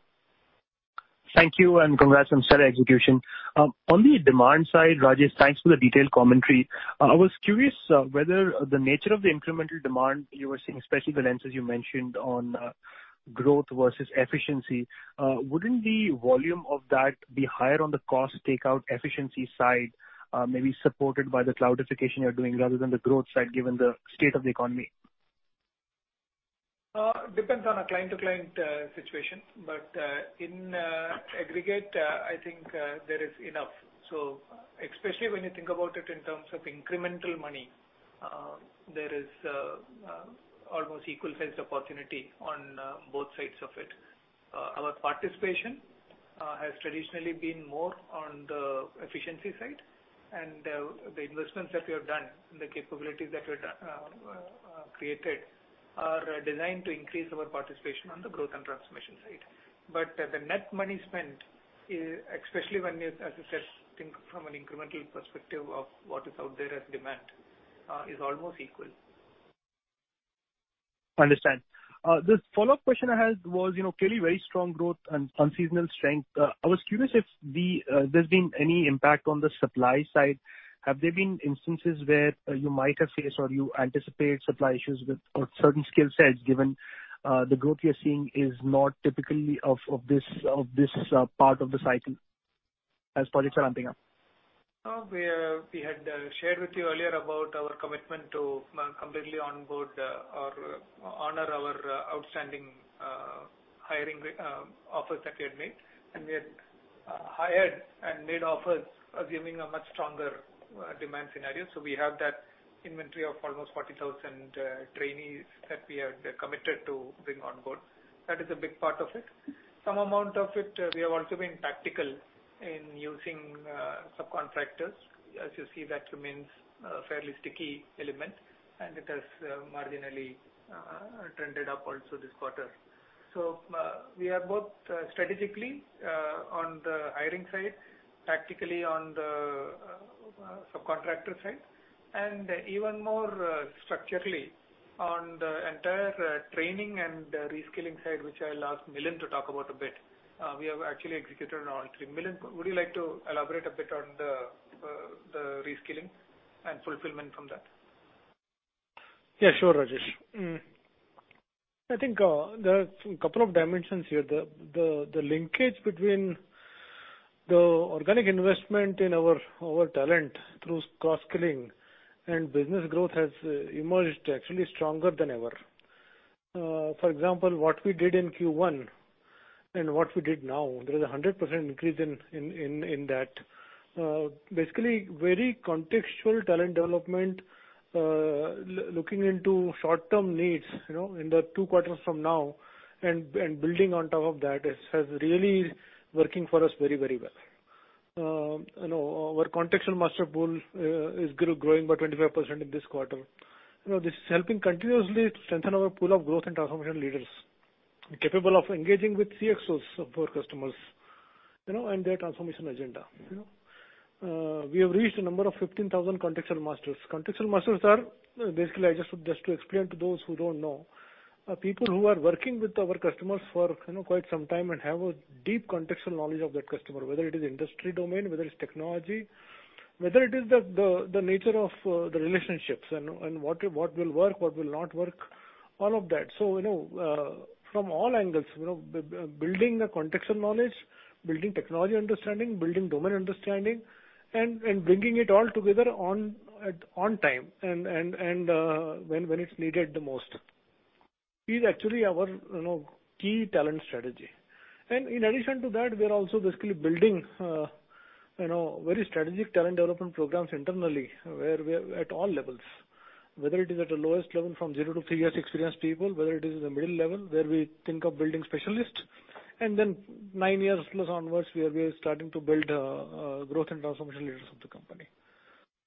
Thank you. Congrats on steady execution. On the demand side, Rajesh, thanks for the detailed commentary. I was curious whether the nature of the incremental demand you were seeing, especially the lenses you mentioned on growth versus efficiency. Wouldn't the volume of that be higher on the cost takeout efficiency side maybe supported by the cloudification you're doing rather than the growth side given the state of the economy? Depends on a client-to-client situation. In aggregate, I think there is enough. Especially when you think about it in terms of incremental money, there is almost equal size opportunity on both sides of it. Our participation has traditionally been more on the efficiency side, and the investments that we have done and the capabilities that we have created are designed to increase our participation on the growth and transformation side. The net money spent, especially when you, as you said, think from an incremental perspective of what is out there as demand, is almost equal. Understand. The follow-up question I had was, clearly very strong growth and unseasonal strength. I was curious if there's been any impact on the supply side. Have there been instances where you might have faced or you anticipate supply issues with certain skill sets given the growth you're seeing is not typically of this part of the cycle as projects are ramping up? We had shared with you earlier about our commitment to completely on board or honor our outstanding hiring offers that we had made, and we had hired and made offers assuming a much stronger demand scenario. We have that inventory of almost 40,000 trainees that we are committed to bring on board. That is a big part of it. Some amount of it, we have also been practical in using subcontractors. As you see, that remains a fairly sticky element and it has marginally trended up also this quarter. We are both strategically on the hiring side, practically on the subcontractor side and even more structurally on the entire training and re-skilling side, which I'll ask Milind to talk about a bit. We have actually executed on all three. Milind, would you like to elaborate a bit on the re-skilling and fulfillment from that? Yeah, sure, Rajesh. I think there are a couple of dimensions here. The linkage between the organic investment in our talent through skilling and business growth has emerged actually stronger than ever. For example, what we did in Q1 and what we did now, there is 100% increase in that. Basically, very contextual talent development, looking into short-term needs in the two quarters from now and building on top of that has really working for us very well. Our contextual master pool is growing by 25% in this quarter. This is helping continuously to strengthen our pool of growth and transformation leaders capable of engaging with CXOs of our customers and their transformation agenda. We have reached a number of 15,000 contextual masters. Contextual masters are basically, just to explain to those who don't know, people who are working with our customers for quite some time and have a deep contextual knowledge of that customer, whether it is industry domain, whether it's technology, whether it is the nature of the relationships and what will work, what will not work, all of that. From all angles, building the contextual knowledge, building technology understanding, building domain understanding and bringing it all together on time and when it's needed the most is actually our key talent strategy. In addition to that, we're also basically building very strategic talent development programs internally at all levels, whether it is at a lowest level from zero to three years experienced people, whether it is in the middle level, where we think of building specialists, and then nine years plus onwards, we are starting to build growth and transformation leaders of the company.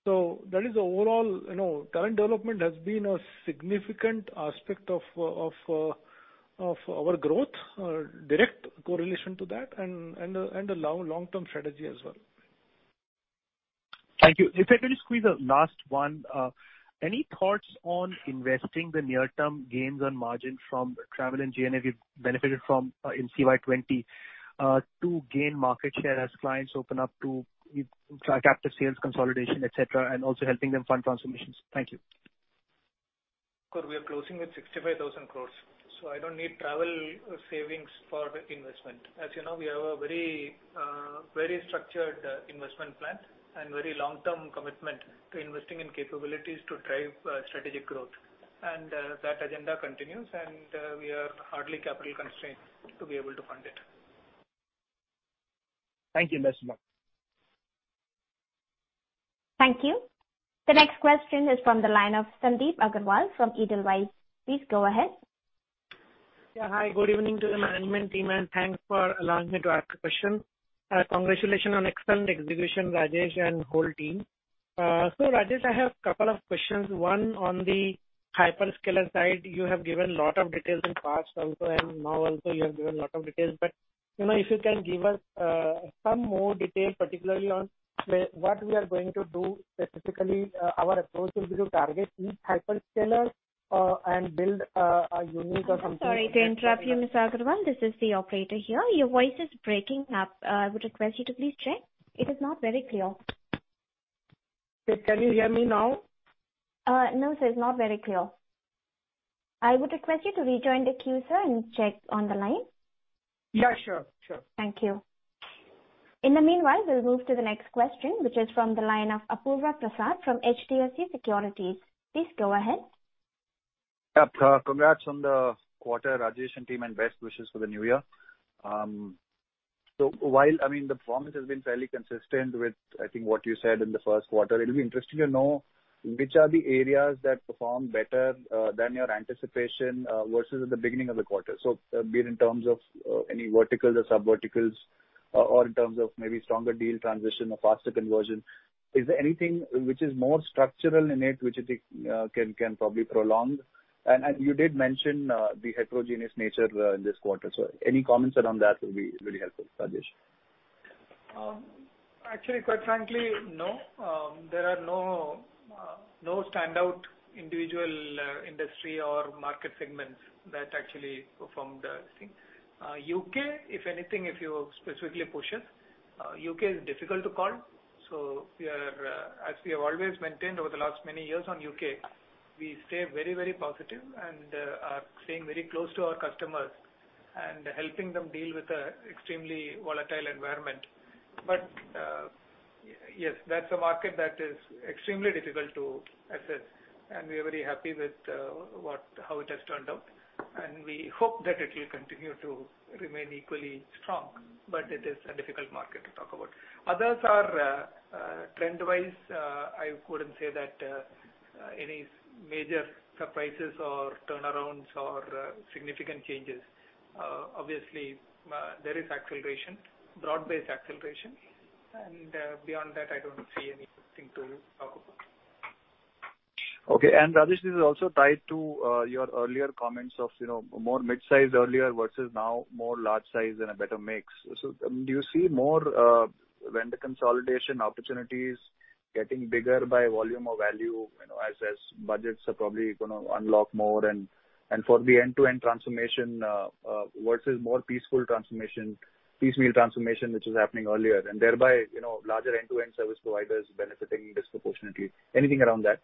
That is overall. Talent development has been a significant aspect of our growth, direct correlation to that and a long-term strategy as well. Thank you. If I could squeeze a last one. Any thoughts on investing the near-term gains on margin from travel and G&A we benefited from in FY 2020 to gain market share as clients open up to captive sales consolidation, et cetera, and also helping them fund transformations? Thank you. We are closing with 65,000 crores. I don't need travel savings for investment. As you know, we have a very structured investment plan and very long-term commitment to investing in capabilities to drive strategic growth. That agenda continues, and we are hardly capital constrained to be able to fund it. Thank you very much. Thank you. The next question is from the line of Sandip Agarwal from Edelweiss. Please go ahead. Hi, good evening to the management team, and thanks for allowing me to ask a question. Congratulations on excellent execution, Rajesh and whole team. Rajesh, I have a couple of questions. One on the hyperscaler side. You have given lot of details in past also and now also you have given lot of details. If you can give us some more detail, particularly on what we are going to do specifically. Our approach will be to target each hyperscaler and build a unique or something- Sorry to interrupt you, Mr. Agarwal. This is the operator here. Your voice is breaking up. I would request you to please check. It is not very clear. Can you hear me now? No, sir. It is not very clear. I would request you to rejoin the queue, sir, and check on the line. Yeah, sure. Thank you. In the meanwhile, we'll move to the next question, which is from the line of Apurva Prasad from HDFC Securities. Please go ahead. Yeah. Congrats on the quarter, Rajesh and team, and best wishes for the new year. While the performance has been fairly consistent with, I think, what you said in the first quarter, it will be interesting to know which are the areas that perform better than your anticipation versus at the beginning of the quarter. Be it in terms of any verticals or sub-verticals or in terms of maybe stronger deal transition or faster conversion. Is there anything which is more structural in it which I think can probably prolong? You did mention the heterogeneous nature in this quarter. Any comments around that will be really helpful, Rajesh. Actually, quite frankly, no. There are no standout individual industry or market segments that actually performed. U.K., if anything, if you specifically push it, U.K. is difficult to call. As we have always maintained over the last many years on U.K., we stay very positive and are staying very close to our customers and helping them deal with the extremely volatile environment. Yes, that's a market that is extremely difficult to assess, and we are very happy with how it has turned out. We hope that it will continue to remain equally strong. It is a difficult market to talk about. Others are trend-wise, I wouldn't say that any major surprises or turnarounds or significant changes. Obviously, there is acceleration, broad-based acceleration, and beyond that, I don't see anything to talk about. Okay. Rajesh, this is also tied to your earlier comments of more mid-size earlier versus now more large size and a better mix. Do you see more vendor consolidation opportunities getting bigger by volume or value as budgets are probably going to unlock more and for the end-to-end transformation, versus more piecemeal transformation which is happening earlier and thereby larger end-to-end service providers benefiting disproportionately? Anything around that?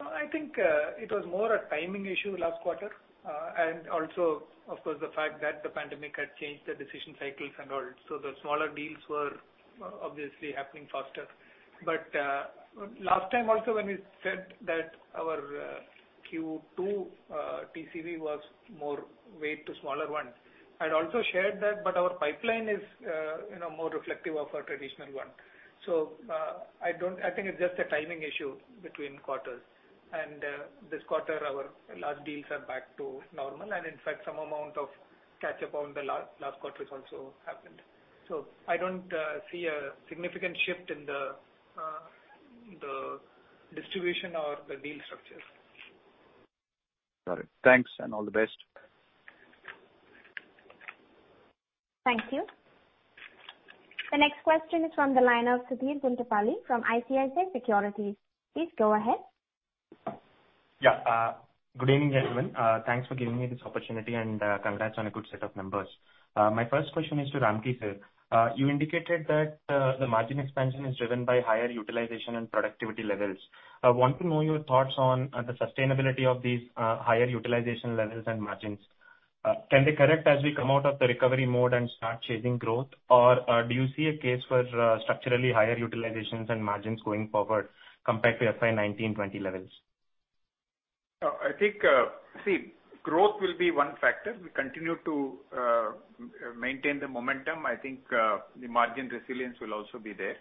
I think it was more a timing issue last quarter. Also, of course, the fact that the pandemic had changed the decision cycles and all. The smaller deals were obviously happening faster. Last time also when we said that our Q2 TCV was more weight to smaller ones. I'd also shared that but our pipeline is more reflective of a traditional one. I think it's just a timing issue between quarters. This quarter, our large deals are back to normal, and in fact, some amount of catch-up on the last quarter has also happened. I don't see a significant shift in the distribution or the deal structures. Got it. Thanks and all the best. Thank you. The next question is from the line of Sudheer Guntupalli from ICICI Securities. Please go ahead. Good evening, gentlemen. Thanks for giving me this opportunity, and congrats on a good set of numbers. My first question is to Ramki, sir. You indicated that the margin expansion is driven by higher utilization and productivity levels. I want to know your thoughts on the sustainability of these higher utilization levels and margins. Can they correct as we come out of the recovery mode and start chasing growth? Do you see a case for structurally higher utilizations and margins going forward compared to FY 2019-2020 levels? I think growth will be one factor. We continue to maintain the momentum. I think the margin resilience will also be there.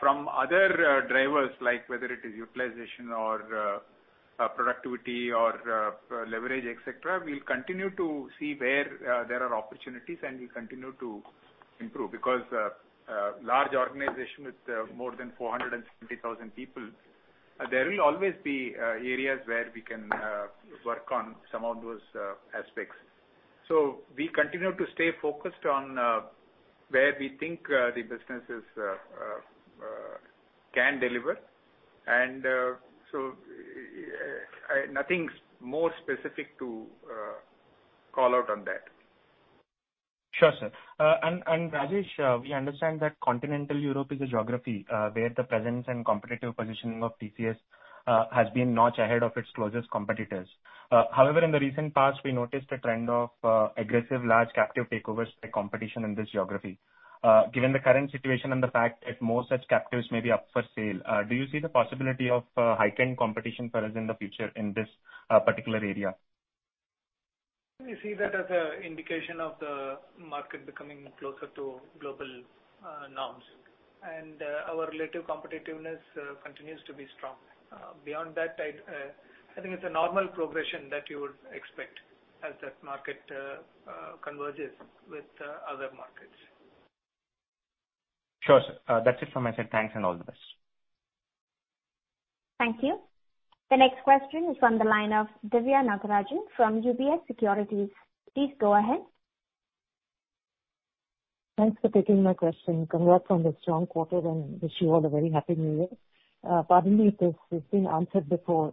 From other drivers like whether it is utilization or productivity or leverage, et cetera, we'll continue to see where there are opportunities, and we'll continue to improve because large organization with more than 470,000 people, there will always be areas where we can work on some of those aspects. We continue to stay focused on where we think the businesses can deliver, and so nothing's more specific to call out on that. Sure, sir. Rajesh, we understand that continental Europe is a geography where the presence and competitive positioning of TCS has been a notch ahead of its closest competitors. However, in the recent past, we noticed a trend of aggressive large captive takeovers by competition in this geography. Given the current situation and the fact that more such captives may be up for sale, do you see the possibility of heightened competition for us in the future in this particular area? We see that as an indication of the market becoming closer to global norms, and our relative competitiveness continues to be strong. Beyond that, I think it's a normal progression that you would expect as that market converges with other markets. Sure, sir. That's it from my side. Thanks and all the best. Thank you. The next question is from the line of Diviya Nagarajan from UBS Securities. Please go ahead. Thanks for taking my question. Congrats on the strong quarter and wish you all a very happy New Year. Probably this has been answered before.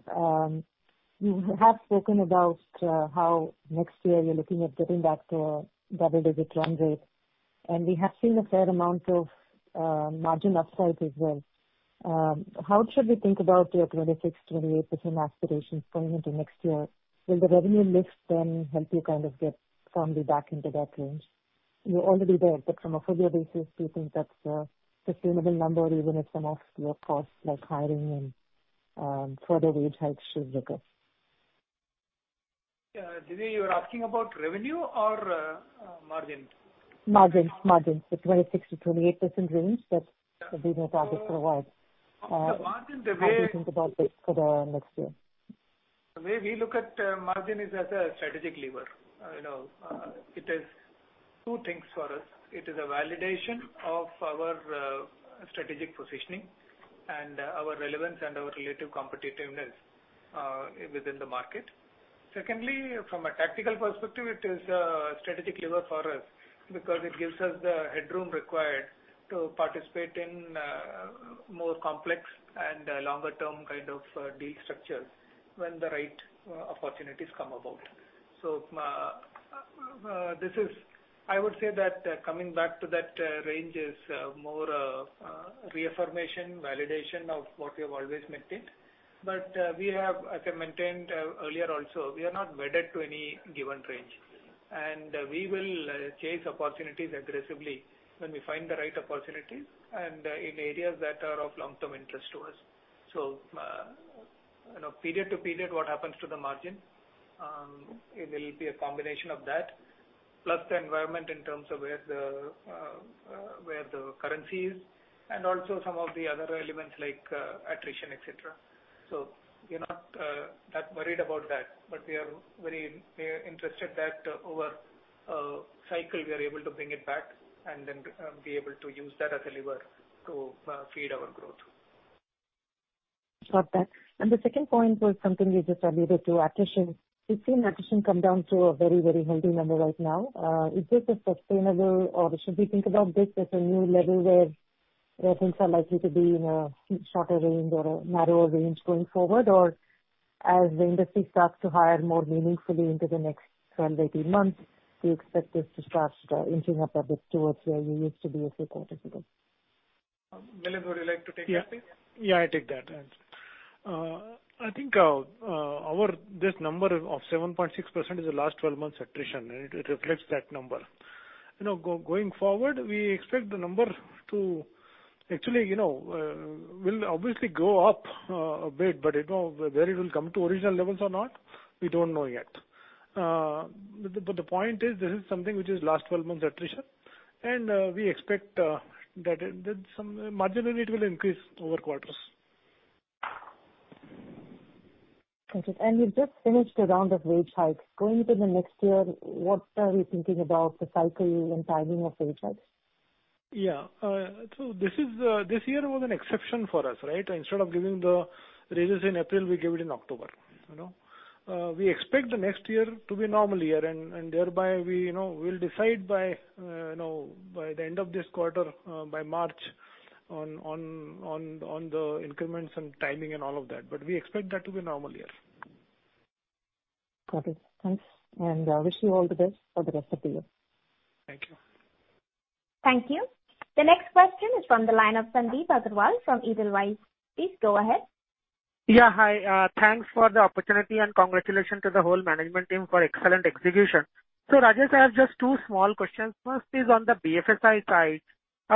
You have spoken about how next year you're looking at getting back to a double-digit run rate, and we have seen a fair amount of margin upside as well. How should we think about your 26%-28% aspirations going into next year? Will the revenue lift then help you kind of get firmly back into that range? You're already there, but from a full-year basis, do you think that's a sustainable number even if some of your costs like hiring and further wage hikes should look up? Yeah. Diviya, you're asking about revenue or margin? Margin. The 26%-28% range that we've been talking for a while. The margin- How do you think about this for the next year? The way we look at margin is as a strategic lever. It is two things for us. It is a validation of our strategic positioning and our relevance and our relative competitiveness within the market. Secondly, from a tactical perspective, it is a strategic lever for us because it gives us the headroom required to participate in more complex and longer-term kind of deal structures when the right opportunities come about. I would say that coming back to that range is more a reaffirmation, validation of what we have always maintained. As I maintained earlier also, we are not wedded to any given range, and we will chase opportunities aggressively when we find the right opportunities and in areas that are of long-term interest to us. Period to period, what happens to the margin, it will be a combination of that, plus the environment in terms of where the currency is and also some of the other elements like attrition, et cetera. We are not that worried about that. We are very interested that over a cycle, we are able to bring it back and then be able to use that as a lever to feed our growth. Got that. The second point was something you just alluded to, attrition. We've seen attrition come down to a very healthy number right now. Is this sustainable, or should we think about this as a new level where things are likely to be in a shorter range or a narrower range going forward? As the industry starts to hire more meaningfully into the next 12-18 months, do you expect this to start inching up a bit towards where you used to be a few quarters ago? Milind, would you like to take that please? Yeah, I take that. I think this number of 7.6% is the last 12 months attrition, and it reflects that number. Going forward, we expect the number to obviously go up a bit. Whether it will come to original levels or not, we don't know yet. The point is, this is something which is last 12 months attrition, and we expect that marginally it will increase over quarters. Okay. You've just finished a round of wage hikes. Going into the next year, what are you thinking about the cycle and timing of wage hikes? This year was an exception for us, right? Instead of giving the raises in April, we gave it in October. We expect the next year to be a normal year, and thereby we'll decide by the end of this quarter, by March, on the increments and timing and all of that. We expect that to be a normal year. Copy. Thanks. Wish you all the best for the rest of the year. Thank you. Thank you. The next question is from the line of Sandip Agarwal from Edelweiss. Please go ahead. Yeah, hi. Thanks for the opportunity and congratulations to the whole management team for excellent execution. Rajesh, I have just two small questions. First is on the BFSI side.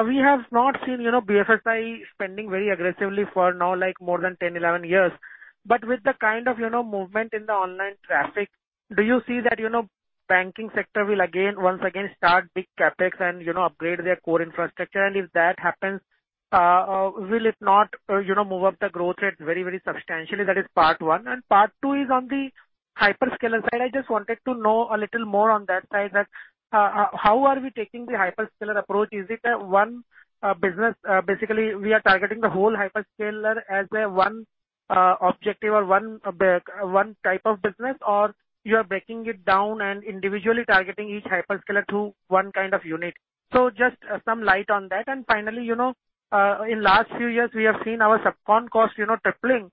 We have not seen BFSI spending very aggressively for now, like more than 10, 11 years. With the kind of movement in the online traffic, do you see that banking sector will once again start big CapEx and upgrade their core infrastructure? If that happens, will it not move up the growth rate very substantially? That is part one. Part two is on the hyperscaler side. I just wanted to know a little more on that side that how are we taking the hyperscaler approach? Is it one business, basically we are targeting the whole hyperscaler as a one objective or one type of business, or you are breaking it down and individually targeting each hyperscaler through one kind of unit? Just some light on that. Finally, in the last few years, we have seen our subcon cost tripling.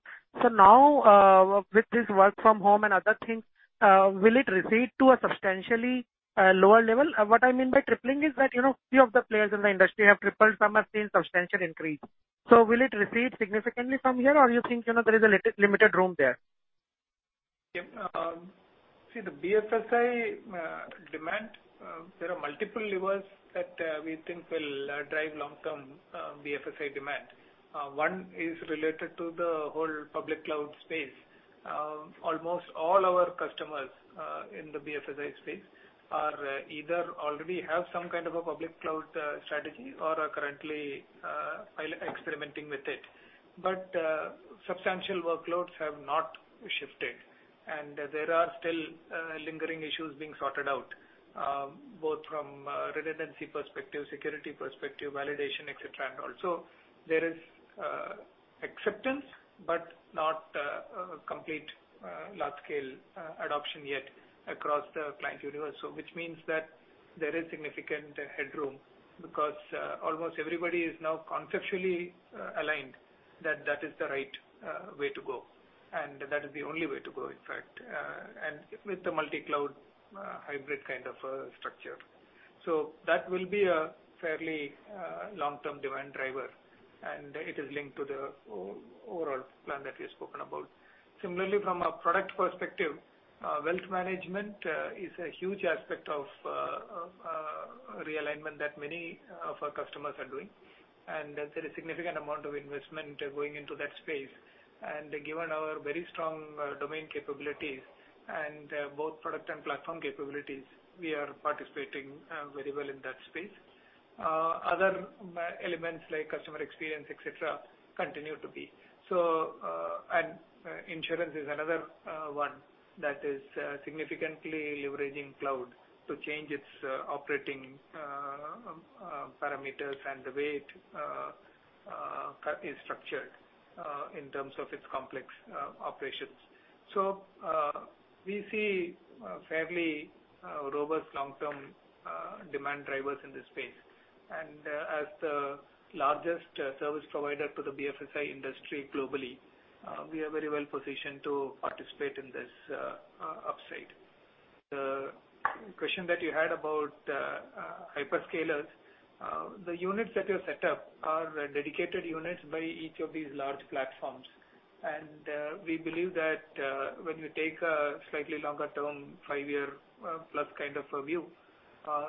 Now with this work from home and other things, will it recede to a substantially lower level? What I mean by tripling is that few of the players in the industry have tripled. Some have seen substantial increase. Will it recede significantly from here, or you think there is a limited room there? The BFSI demand there are multiple levers that we think will drive long-term BFSI demand. One is related to the whole public cloud space. Almost all our customers in the BFSI space either already have some kind of a public cloud strategy or are currently experimenting with it. Substantial workloads have not shifted, and there are still lingering issues being sorted out both from a redundancy perspective, security perspective, validation, et cetera. Also there is acceptance, but not complete large-scale adoption yet across the client universe. Which means that there is significant headroom because almost everybody is now conceptually aligned that that is the right way to go, and that is the only way to go, in fact, and with the multi-cloud hybrid kind of a structure. That will be a fairly long-term demand driver, and it is linked to the overall plan that we have spoken about. Similarly, from a product perspective, wealth management is a huge aspect of realignment that many of our customers are doing, and there is a significant amount of investment going into that space. Given our very strong domain capabilities and both product and platform capabilities, we are participating very well in that space. Other elements like customer experience, et cetera, continue to be. Insurance is another one that is significantly leveraging cloud to change its operating parameters and the way it is structured in terms of its complex operations. We see fairly robust long-term demand drivers in this space. As the largest service provider to the BFSI industry globally, we are very well-positioned to participate in this upside. The question that you had about hyperscalers, the units that we have set up are dedicated units by each of these large platforms. We believe that when you take a slightly longer-term, five-year-plus kind of a view,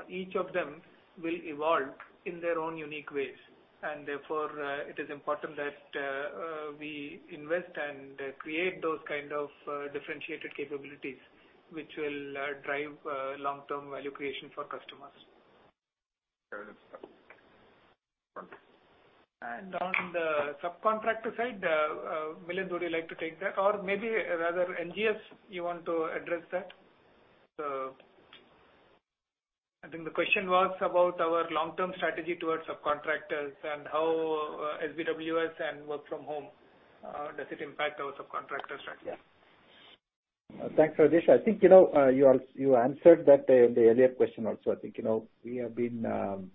each of them will evolve in their own unique ways, and therefore it is important that we invest and create those kind of differentiated capabilities, which will drive long-term value creation for customers. On the subcontractor side, Milind, would you like to take that? Maybe rather, NGS, you want to address that? I think the question was about our long-term strategy towards subcontractors and how SBWS and work from home, does it impact our subcontractor strategy? Yeah. Thanks, Rajesh. I think you answered that the earlier question also. I think we have been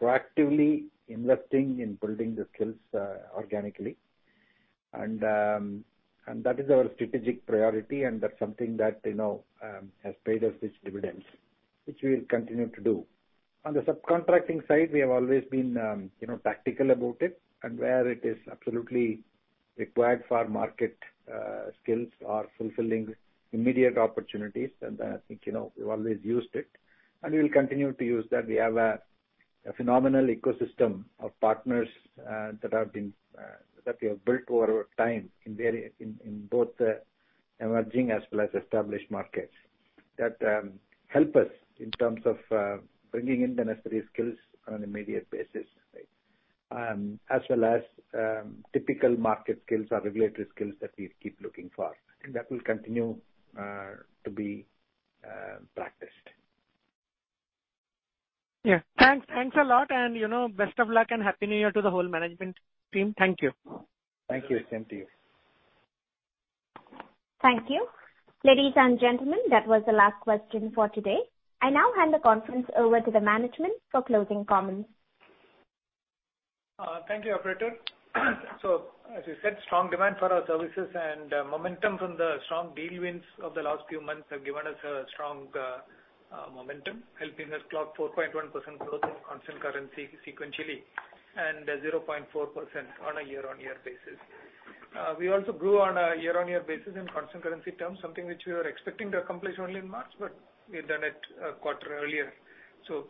proactively investing in building the skills organically. That is our strategic priority, and that's something that has paid us rich dividends, which we'll continue to do. On the subcontracting side, we have always been tactical about it and where it is absolutely required for market skills or fulfilling immediate opportunities. I think we've always used it, and we will continue to use that. We have a phenomenal ecosystem of partners that we have built over time in both the emerging as well as established markets that help us in terms of bringing in the necessary skills on an immediate basis. As well as typical market skills or regulatory skills that we keep looking for. That will continue to be practiced. Yeah. Thanks a lot. Best of luck and happy New Year to the whole management team. Thank you. Thank you. Same to you. Thank you. Ladies and gentlemen, that was the last question for today. I now hand the conference over to the management for closing comments. Thank you, operator. As we said, strong demand for our services and momentum from the strong deal wins of the last few months have given us a strong momentum, helping us clock 4.1% growth in constant currency sequentially, and 0.4% on a year-on-year basis. We also grew on a year-on-year basis in constant currency terms, something which we were expecting to accomplish only in March, but we've done it a quarter earlier.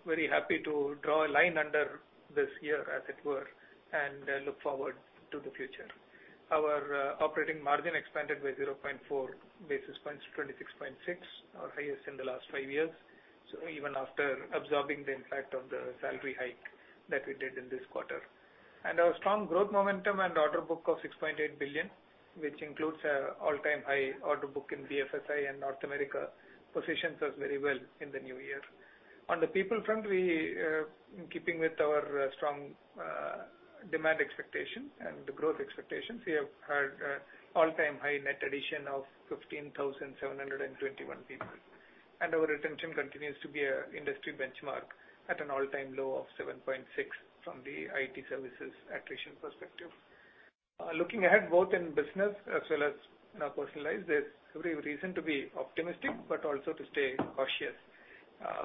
Very happy to draw a line under this year, as it were, and look forward to the future. Our operating margin expanded by 0.4 basis points to 26.6, our highest in the last five years, even after absorbing the impact of the salary hike that we did in this quarter. Our strong growth momentum and order book of $6.8 billion, which includes all-time high order book in BFSI and North America, positions us very well in the new year. On the people front, we, in keeping with our strong demand expectations and growth expectations, we have had all-time high net addition of 15,721 people. Our retention continues to be a industry benchmark at an all-time low of 7.6 from the IT services attrition perspective. Looking ahead, both in business as well as in our personal lives, there's every reason to be optimistic, but also to stay cautious.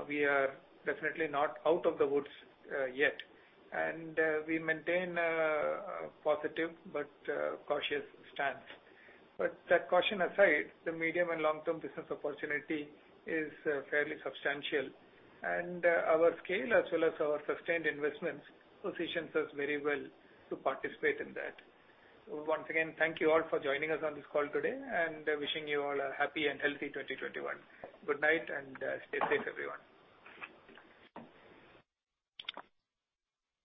We are definitely not out of the woods yet, and we maintain a positive but cautious stance. That caution aside, the medium and long-term business opportunity is fairly substantial, and our scale, as well as our sustained investments, positions us very well to participate in that. Once again, thank you all for joining us on this call today, and wishing you all a happy and healthy 2021. Good night and stay safe, everyone.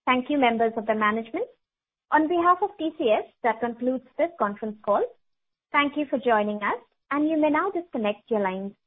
Thank you, members of the management. On behalf of TCS, that concludes this conference call. Thank you for joining us, and you may now disconnect your lines.